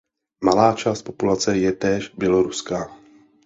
Malá část populace je též běloruská.